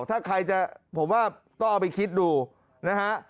ถ้าใครจะผมว่าต้องเอาไปคิดดูนะฮะ